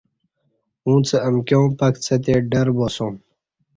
اُݩڅ امکیاں پکڅہ تی ڈر باسوم